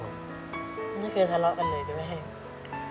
ไม่เคยทะเลาะกันเลยจะไม่ให้